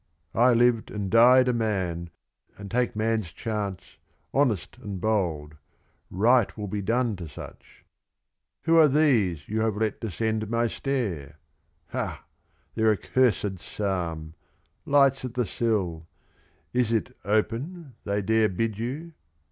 I lived and died a man, and take man's chance, Honest and bold : right will be done to such. Who are these you have let descend my stair? Ha, their accursed psalm ! Lights at the sill ! Is it 'Open ' they dare bid you?